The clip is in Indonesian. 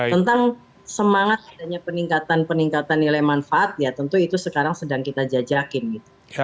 tentang semangat adanya peningkatan peningkatan nilai manfaat ya tentu itu sekarang sedang kita jajakin gitu